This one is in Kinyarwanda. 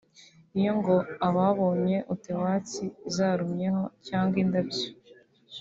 Iyo ngo ababonye utewatsi zarumyeho cyangwa indabyo